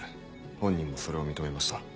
本人もそれを認めました。